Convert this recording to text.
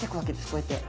こうやって。